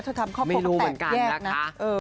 เธอทำครอบครัวแต่แยกนะคะไม่รู้เหมือนกัน